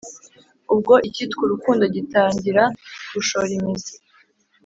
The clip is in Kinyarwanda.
ubwo icyitwa urukundo gitangira gushora imizi